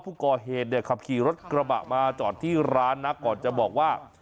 ผู้ก่อเหตุเนี่ยขับขี่รถกระบะมาจอดที่ร้านนะก่อนจะบอกว่า